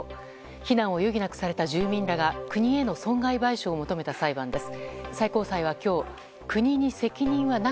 避難を余儀なくされた住民らが国へ損害賠償を求めた裁判です。